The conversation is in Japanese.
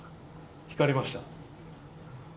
光りました。